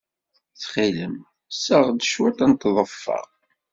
Ttxil-m, seɣ-d cwiṭ n tḍeffa.